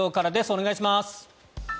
お願いします。